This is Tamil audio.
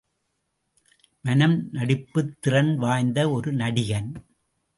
மனம் நடிப்புத் திறன் வாய்ந்த ஒரு நடிகன்.